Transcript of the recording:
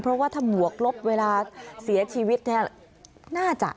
เพราะว่าถ้าบวกลบเวลาเสียชีวิตเนี่ยน่าจะ